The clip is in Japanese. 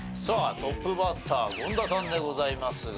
トップバッター権田さんでございますが。